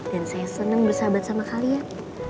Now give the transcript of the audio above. dan saya seneng bersahabat sama kalian